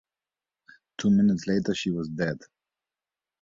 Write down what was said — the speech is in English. Two minutes later she was dead.